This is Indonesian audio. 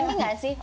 tapi ending gak sih